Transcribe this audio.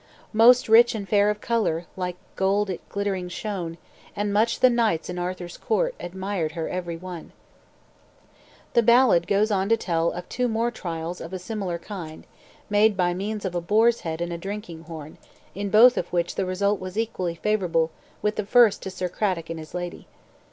"Most rich and fair of color, Like gold it glittering shone, And much the knights in Arthur's court Admired her every one." [Footnote 1: New fangled fond of novelty.] The ballad goes on to tell of two more trials of a similar kind, made by means of a boar's head and a drinking horn, in both of which the result was equally favorable with the first to Sir Cradock and his lady.